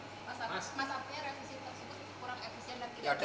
mas abdi efisien atau kurang efisien